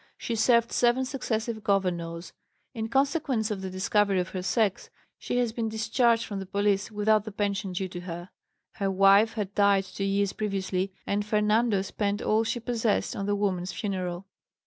She served seven successive governors. In consequence of the discovery of her sex she has been discharged from the police without the pension due to her; her wife had died two years previously, and "Fernando" spent all she possessed on the woman's funeral.